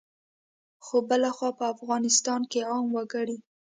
خو بلخوا په افغانستان کې عام وګړي